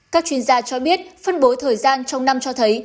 các chuyên gia cho biết phân bố thời gian trong năm cho thấy